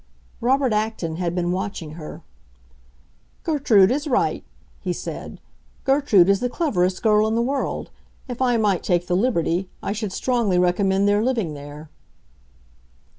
Robert Acton had been watching her. "Gertrude is right," he said. "Gertrude is the cleverest girl in the world. If I might take the liberty, I should strongly recommend their living there."